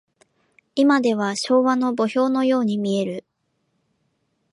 いまでは昭和の墓標のように見える。